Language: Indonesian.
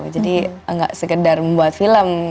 jadi nggak sekedar membuat film